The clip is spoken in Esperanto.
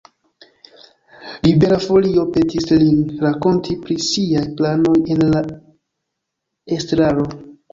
Libera Folio petis lin rakonti pri siaj planoj en la estraro.